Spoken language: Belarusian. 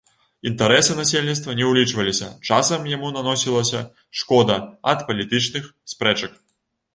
Інтарэсы насельніцтва не ўлічваліся, часам яму наносілася шкода ад палітычных спрэчак.